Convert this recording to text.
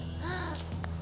gak boleh terjadi oke